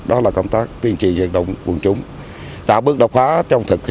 đó là công tác tuyên trì diện động quân chúng